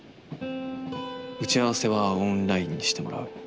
打ち合わせはオンラインにしてもらう。